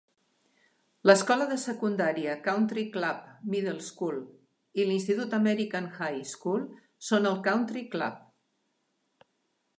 L'escola de secundària Country Club Middle School i l'institut American High School són al Country Club.